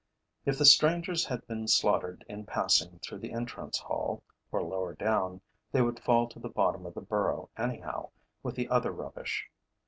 If the strangers had been slaughtered in passing through the entrance hall, or lower down, they would fall to the bottom of the burrow anyhow, with the other rubbish.